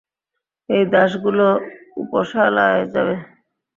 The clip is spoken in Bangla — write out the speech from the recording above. এই দাসগুলো উপসালায় যাবে।